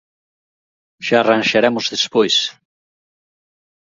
Xa arranxaremos despois.